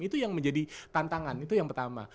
itu yang menjadi tantangan itu yang pertama